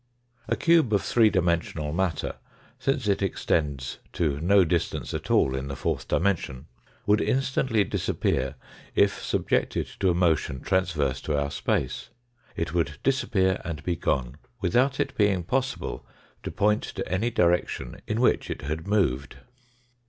A cube of three dimensional matter, since it extends to no distance at all in the fourth dimension, would instantly disappear, if subjected to a motion transverse to our space. It would disappear and be gone, without it being possible to point to any direction in which it had moved.